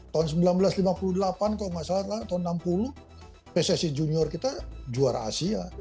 tahun seribu sembilan ratus lima puluh delapan kalau nggak salah tahun seribu sembilan ratus enam puluh pssi junior kita juara asia